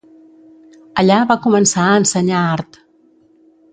Allà va començar a ensenyar art.